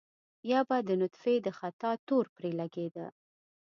يا به د نطفې د خطا تور پرې لګېده.